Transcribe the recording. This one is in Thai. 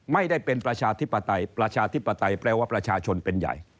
ไม่ได้เป็นประชาธิปไตยประชาธิปไตยแปลว่าประชาชนเป็นใหญ่